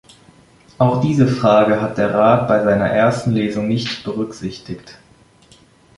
Auch diese Frage hat der Rat bei seiner ersten Lesung nicht berücksichtigt.